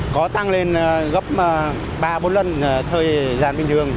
có tăng lên gấp ba bốn lần thời gian bình thường